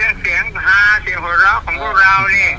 รับใช้คือเสียงภาพเสียงหัวเราะของพวกเรานี่